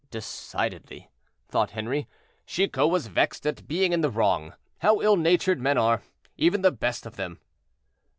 "Decidedly," thought Henri, "Chicot was vexed at being in the wrong. How ill natured men are, even the best of them."